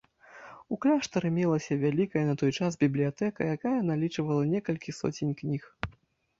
У кляштары мелася вялікая на той час бібліятэка, якая налічвала некалькі соцень кніг.